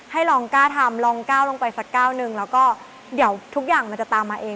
ให้ลองกล้าทำลองก้าวลงไปสักก้าวหนึ่งแล้วก็เดี๋ยวทุกอย่างมันจะตามมาเอง